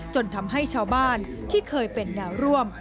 จนทำให้ชาวบ้านที่เคยเป็นแนวร่วม